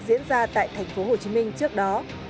diễn ra tại tp hcm trước đó